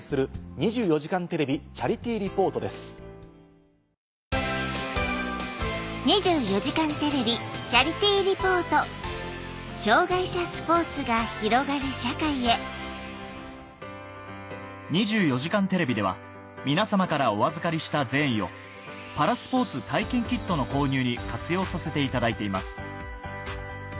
『２４時間テレビ』では皆様からお預かりした善意をパラスポーツ体験キットの購入に活用させていただいています